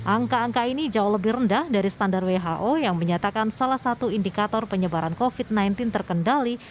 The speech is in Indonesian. angka angka ini jauh lebih rendah dari standar who yang menyatakan salah satu indikator penyebaran covid sembilan belas terkendali